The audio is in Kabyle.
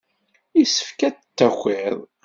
Yessefk ad d-takiḍ.